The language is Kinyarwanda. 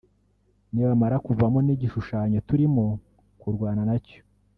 nibamara kuvamo n’igishushanyo turimo kurwana nacyo